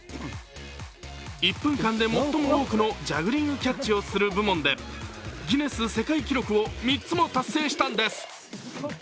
１分間で最も多くのジャグリングキャッチをする部門でギネス世界記録を３つも達成したんです。